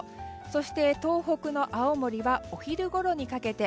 そして、東北の青森はお昼ごろにかけて。